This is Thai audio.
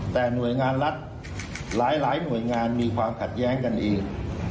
แต่หน่วยงานรัฐหลายหน่วยงานมีความขัดแย้งกันเอง